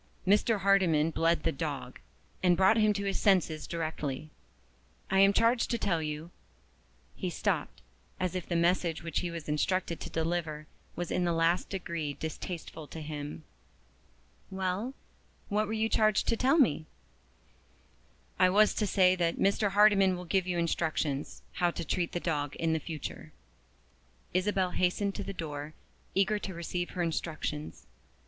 Mr. Hardyman bled the dog, and brought him to his senses directly. I am charged to tell you " He stopped, as if the message which he was instructed to deliver was in the last degree distasteful to him. "Well, what were you charged to tell me?" "I was to say that Mr. Hardyman will give you instructions how to treat the dog for the future." Isabel hastened to the door, eager to receive her instructions.